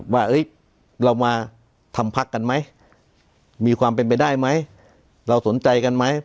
ว่าเรามาทำพักกันไหมมีความเป็นไปได้ไหมเราสนใจกันไหม